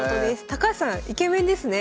高橋さんイケメンですね。